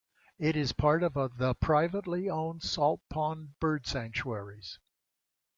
It is a part of the privately owned Salt Pond bird sanctuaries.